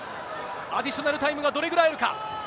アディショナルタイムがどれぐらいあるか。